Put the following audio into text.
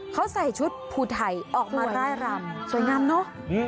เขาใส่ชุดภูไทยออกมาร่ายรำสวยงามเนอะ